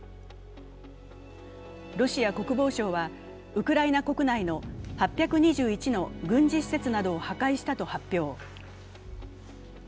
ロシア国防省はウクライナ国内の８２１の軍事施設などを破壊したと発表。